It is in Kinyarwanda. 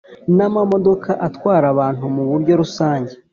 Namamodoka atwara abantu muburyo rusange